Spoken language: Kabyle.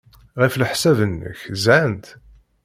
Ɣef leḥsab-nnek, zhant?